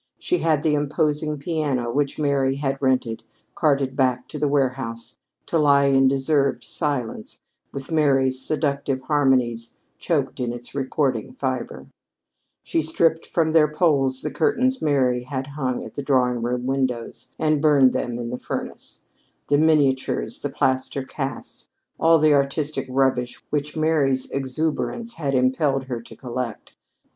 She had the imposing piano which Mary had rented carted back to the warehouse to lie in deserved silence with Mary's seductive harmonies choked in its recording fibre; she stripped from their poles the curtains Mary had hung at the drawing room windows and burned them in the furnace; the miniatures, the plaster casts, all the artistic rubbish which Mary's exuberance had impelled her to collect, were tossed out for the waste wagons to cart away.